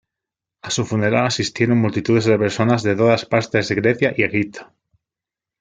A su funeral asistieron multitudes de personas de todas partes de Grecia y Egipto.